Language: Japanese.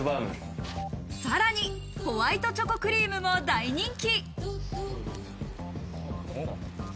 さらにホワイトチョコクリームも大人気。